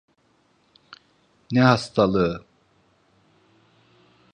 Ne hastalığı?